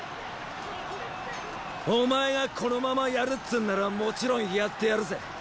お前がこのまま戦るっつんならもちろん戦ってやるぜ。